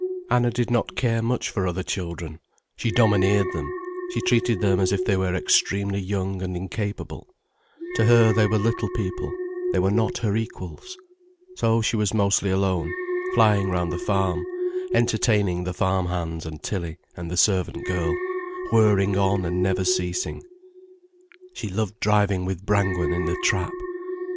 Anna did not care much for other children. She domineered them, she treated them as if they were extremely young and incapable, to her they were little people, they were not her equals. So she was mostly alone, flying round the farm, entertaining the farm hands and Tilly and the servant girl, whirring on and never ceasing. She loved driving with Brangwen in the trap.